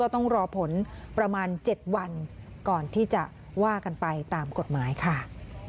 ต้องรอผลประมาณ๗วันก่อนที่จะว่ากันไปตามกฎหมายค่ะ